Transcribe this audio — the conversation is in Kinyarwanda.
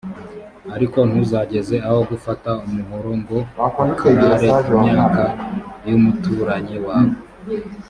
riko ntuzageze aho gufata umuhoro ngo ukarare imyaka y’umuturanyi wawe.